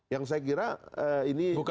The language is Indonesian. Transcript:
yang saya kira ini